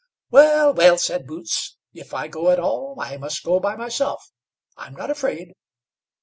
"Well, well!" said Boots; "if I go at all, I must go by myself. I'm not afraid."